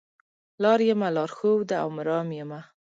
لار یمه لار ښوده او مرام یمه